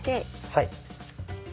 はい。